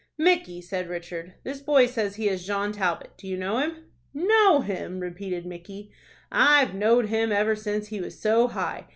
"Micky," said Richard, "this boy says he is John Talbot. Do you know him?" "Know him!" repeated Micky; "I've knowed him ever since he was so high.